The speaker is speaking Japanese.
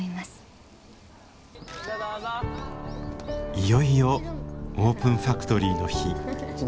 いよいよオープンファクトリーの日。